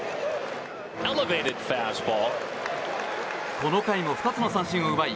この回も２つの三振を奪い